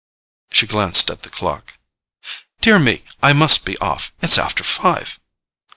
She glanced at the clock. "Dear me! I must be off. It's after five."